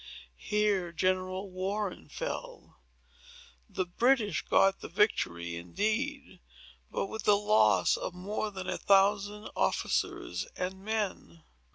Here General Warren fell. The British got the victory, indeed, but with the loss of more than a thousand officers and men."